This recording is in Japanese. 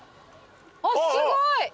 あっすごい！